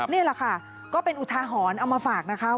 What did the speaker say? นี่แหละค่ะก็เป็นอุทาหรณ์เอามาฝากนะคะ